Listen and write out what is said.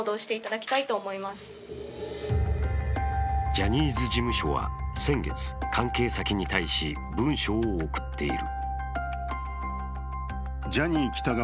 ジャニーズ事務所は先月、関係先に対し、文書を送っている。